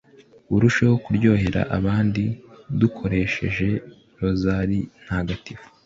burusheho kuryohera abandi dukoresheje rozari ntagatifu